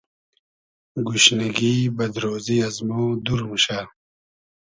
گوشنیگی ، بئد رۉزی از مۉ دور موشۂ